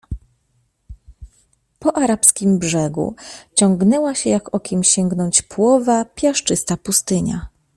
Po arabskim brzegu ciągnęła się jak okiem sięgnąć płowa, piaszczysta pustynia.